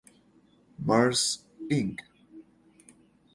Mars, Inc.